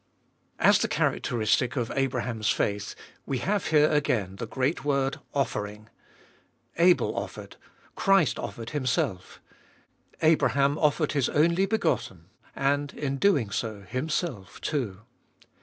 As the characteristic of Abraham's faith we have here again the great word — offering. Abel offered ; Christ offered Him self; Abraham offered his only begotten, and, in doing so, himself too.